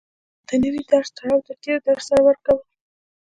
د نوي درس تړاو د تېر درس سره ورکول